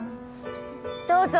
どうぞ。